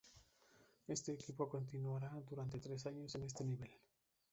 Este equipo continuará durante tres años en este nivel.